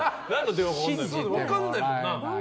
分からないもんな。